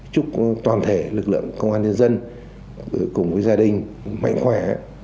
chúc toàn thể lực lượng công an nhân dân cùng với gia đình mạnh khỏe